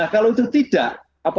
kalau itu tidak